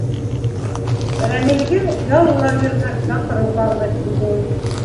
Рәмилгә ял лагерына саҡырыу ҡағыҙы килде.